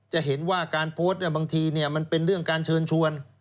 จะเห็นว่าการโพสต์บางทีมันเป็นเรื่องการเชิญชวน